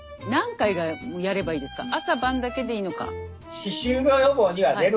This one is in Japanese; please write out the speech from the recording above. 朝晩だけでいいのか？